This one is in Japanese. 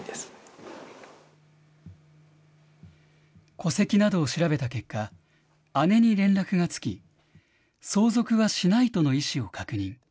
戸籍などを調べた結果、姉に連絡がつき、相続はしないとの意思を確認。